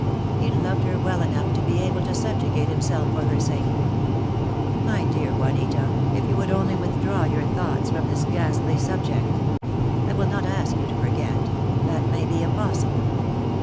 He loved her well enough to be able to subjugate himself for her sake. "My dear Juanita, if you would only withdraw your thoughts from this ghastly subject! I will not ask you to forget. That may be impossible.